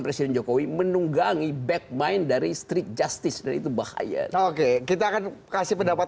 presiden jokowi menunggangi back mind dari strict justice dan itu bahaya oke kita akan kasih pendapat